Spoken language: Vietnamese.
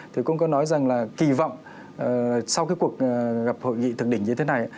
phía mỹ cũng có nói rằng là kỳ vọng sau cuộc gặp hội nghị thượng đình như thế này